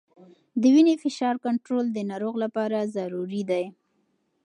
د وینې فشار کنټرول د ناروغ لپاره ضروري دی.